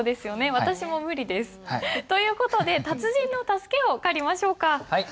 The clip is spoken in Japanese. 私も無理です。という事で達人の助けを借りましょうか。